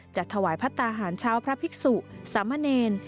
จะถวายพระตาหารเช้าพระภิกษุสามเณร